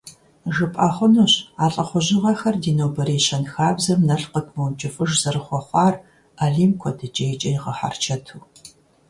ЖыпӀэ хъунущ а лӀыхъужьыгъэхэр ди нобэрей щэнхабзэм налкъут мыункӀыфӀыж зэрыхуэхъуар Алим куэдыкӀейкӀэ игъэхьэрычэту.